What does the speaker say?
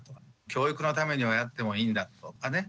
教育のためにはやってもいいんだとかね